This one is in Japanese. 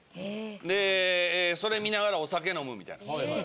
でそれ見ながらお酒飲むみたいな。